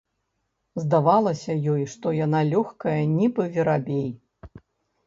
Здавалася ёй, што яна лёгкая, нібы верабей.